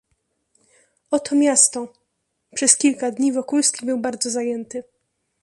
"Oto miasto!...“ Przez kilka dni Wokulski był bardzo zajęty."